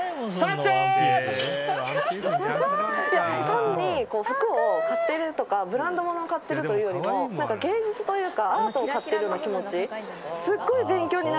単に服を買っているとかブランド物を買っているというよりも芸術というかアートを買っているような気持ち。